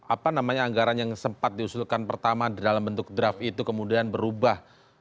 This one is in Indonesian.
apa namanya anggaran yang sempat diusulkan pertama dalam bentuk draft itu kemudian berubah